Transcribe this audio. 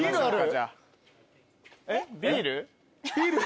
ビール？